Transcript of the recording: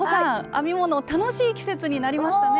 編み物楽しい季節になりましたね。